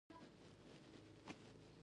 د کړکۍ ترمنځ دوړې وې.